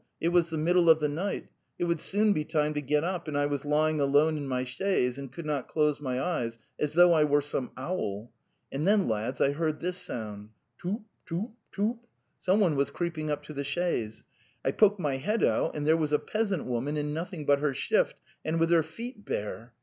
It was the middle of the night; it would soon be time to get up, and I was lying alone in my chaise and could not close my eyes, as though I were some owl. And then, lads, I heard this sound, ' Toop! toop! toop!' Someone was creeping up to the chaise. I poke my head out, and there was a peasant woman in noth ing but her shift and with her feet bare.